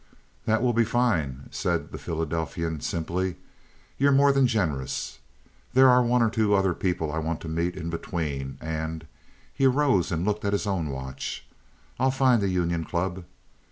"That will be fine," said the Philadelphian, simply. "You're more than generous. There are one or two other people I want to meet in between, and"—he arose and looked at his own watch—"I'll find the Union Club.